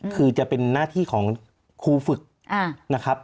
คือจะเป็นหน้าที่ของครูฝึกนะครับ